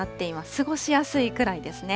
過ごしやすいくらいですね。